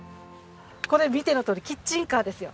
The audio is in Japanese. これ見てのとおりキッチンカーですよ。